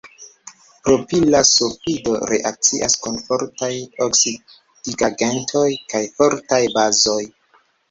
Propila sulfido reakcias kun fortaj oksidigagentoj kaj fortaj bazoj.